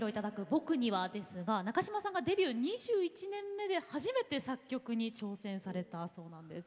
「僕には」ですけども中島さんがデビュー２１年目にして初めて作曲に挑戦された曲だそうです。